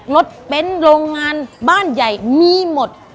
รถเบ้นโรงงานบ้านใหญ่มีหมด